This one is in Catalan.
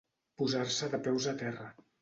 Posar-se de peus a terra.